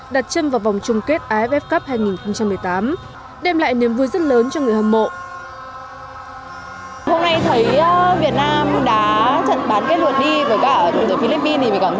đặt chân vào vòng chung kết aff cup hai nghìn một mươi tám đem lại niềm vui rất lớn cho người hâm mộ